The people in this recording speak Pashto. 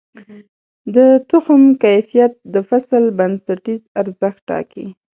د تخم کیفیت د فصل بنسټیز ارزښت ټاکي.